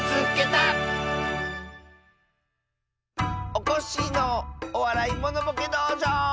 おこっしぃの「おわらいモノボケどうじょう」！